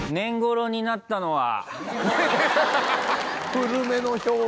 古めの表現。